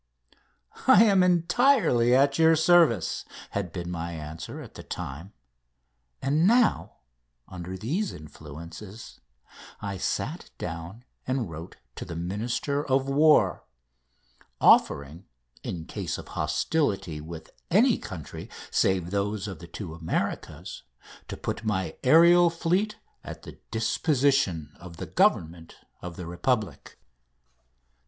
"I am entirely at your service!" had been my answer at the time; and now, under these influences, I sat down and wrote to the Minister of War, offering, in case of hostilities with any country save those of the two Americas, to put my aerial fleet at the disposition of the Government of the Republic.